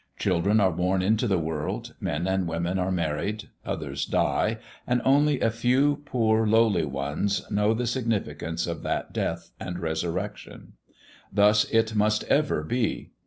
Children are born into the world, men and women are married, others die, and only a few poor, lowly ones know the significance of that death and resurrection. Thus it must ever be.